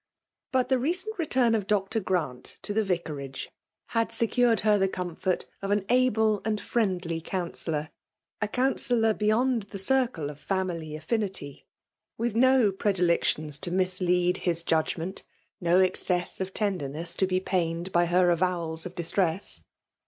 But the recent return of Dr. Grant to the Vicari^e had secured her the comfort of an able and friendly counsellor; a counsellor beyond the circle of family affinity, — ^with no predilections to mislead his judgment, no ex cess of tenderness to be pained by her avowals of distress.